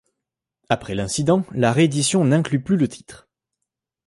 Après l'incident, la réédition n'inclut plus le titre.